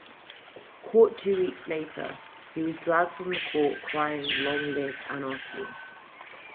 Caught two weeks later, he was dragged from the court crying Long live anarchy!